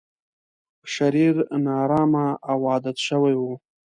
شرير، نا ارامه او عادت شوی و.